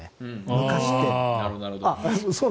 昔って。